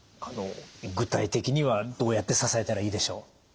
具体的にはどうやって支えたらいいでしょう？